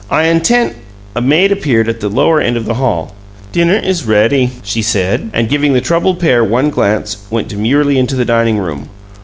I intend " A maid appeared at the lower end of the hall. "Dinner is ready," she said, and, giving the troubled pair one glance, went demurely into the dining room.